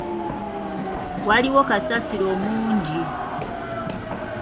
Waliwo kasasiro mungi.